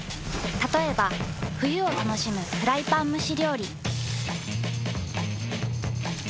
たとえば冬を楽しむフライパン蒸し料理。